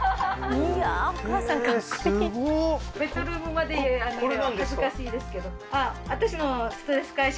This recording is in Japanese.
かっこいいベッドルームまで恥ずかしいですけど